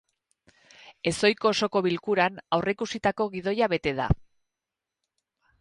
Ezohiko osoko bilkuran, aurreikusitako gidoia bete da.